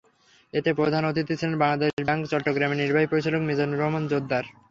এতে প্রধান অতিথি ছিলেন বাংলাদেশ ব্যাংক চট্টগ্রামের নির্বাহী পরিচালক মিজানুর রহমান জোদ্দার।